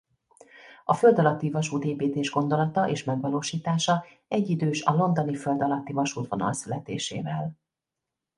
A földalatti vasútépítés gondolata és megvalósítása egyidős a londoni földalatti vasútvonal születésével.